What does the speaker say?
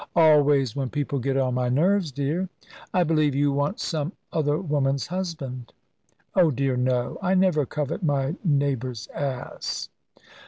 "Always, when people get on my nerves, dear." "I believe you want some other woman's husband?" "Oh dear no! I never covet my neighbour's ass."